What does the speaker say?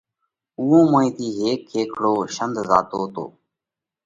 اُوئون موئين ٿِي هيڪ کيکڙو شينڌ زاتو تو۔